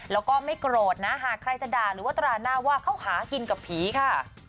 แล้วก็ไม่โกรธนะหากใครจะด่าหรือว่าตราหน้าว่าเขาหากินกับผีค่ะ